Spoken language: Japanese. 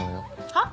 はっ？